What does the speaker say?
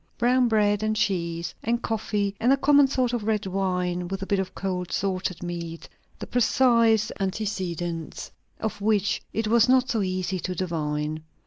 Brown bread, and cheese, and coffee, and a common sort of red wine; with a bit of cold salted meat, the precise antecedents of which it was not so easy to divine.